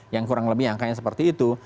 yang kurang lebih angkanya seperti itu